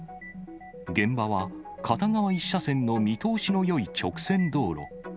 現場は、片側１車線の見通しのよい直線道路。